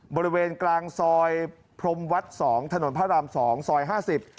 บริเวณกลางซอยพรมวัดสองถนนพระรามสองซอยห้าสิบ